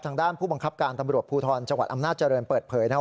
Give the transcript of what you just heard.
ทางด้านผู้บังคับการตำรวจภูทรจังหวัดอำนาจเจริญเปิดเผยนะครับ